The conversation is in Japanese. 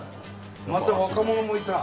また若者もいた！